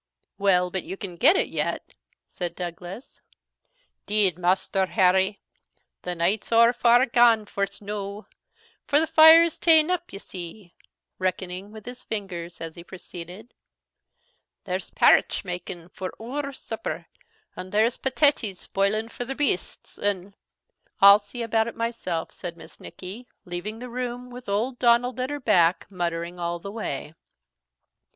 "Well, but you can get it yet?" said Douglas. "'Deed, Maister Harry, the night's owre far gane for't noo; for the fire's a' ta'en up, ye see," reckoning with his fingers, as he proceeded; "there's parritch makin' for oor supper; and there's patatees boiling for the beasts; and " "I'll see about it myself," said Miss Nicky, leaving the room, with old Donald at her back, muttering all the way.